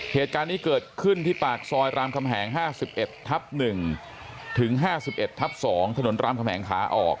เหตุการณ์นี้เกิดขึ้นที่ปากซอยรามคำแหง๕๑ทับ๑ถึง๕๑ทับ๒ถนนรามคำแหงขาออก